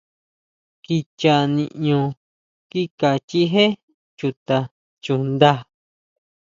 Kicha niʼño kika chijé chuta chuʼnda.